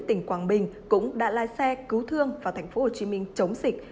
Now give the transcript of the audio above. tỉnh quảng bình cũng đã lái xe cứu thương vào tp hcm chống dịch